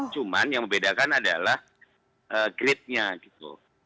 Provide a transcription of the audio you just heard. cuman yang membedakan adalah gridnya gitu